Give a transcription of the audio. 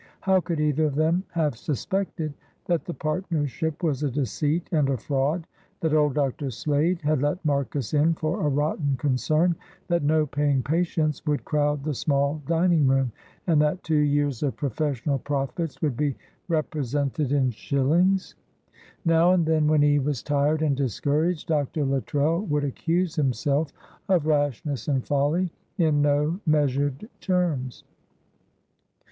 How could either of them have suspected that the partnership was a deceit and a fraud that old Dr. Slade had let Marcus in for a rotten concern that no paying patients would crowd the small dining room and that two years of professional profits would be represented in shillings? Now and then when he was tired and discouraged Dr. Luttrell would accuse himself of rashness and folly in no measured terms.